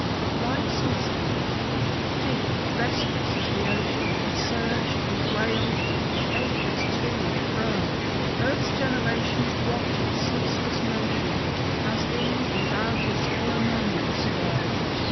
Life's mystery deep, restless as the ocean Hath surged and wailed for ages to and fro; Earth's generations watch its ceaseless motion, As in and out its hollow moanings flow.